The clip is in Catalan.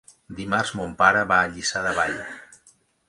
Dimarts mon pare va a Lliçà de Vall.